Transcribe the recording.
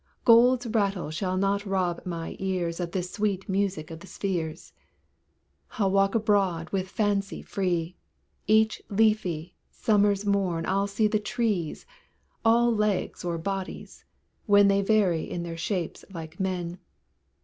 Gold's rattle shall not rob my ears Of this sweet music of the spheres. I'll walk abroad with fancy free; Each leafy, summer's morn I'll see The trees, all legs or bodies, when They vary in their shapes like men.